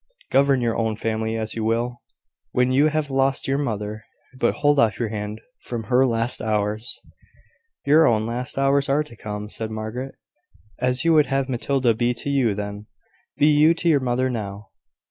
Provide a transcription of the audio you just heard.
Govern your own family as you will, when you have lost your mother; but hold off your hand from her last hours." "Your own last hours are to come," said Margaret. "As you would have Matilda be to you then, be you to your mother now."